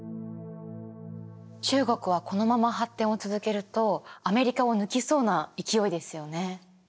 中国はこのまま発展を続けるとアメリカを抜きそうな勢いですよね。